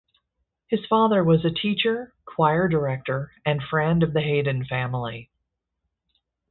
His father was a teacher, choir director and friend of the Haydn family.